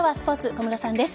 小室さんです。